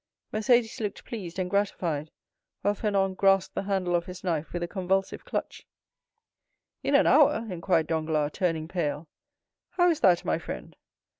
Mercédès looked pleased and gratified, while Fernand grasped the handle of his knife with a convulsive clutch. "In an hour?" inquired Danglars, turning pale. "How is that, my friend?"